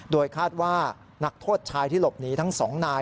โดยคาดว่านักโทษชายที่หลบหนีทั้งสองนาย